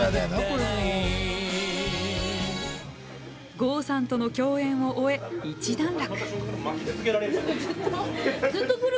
郷さんとの共演を終え一段落。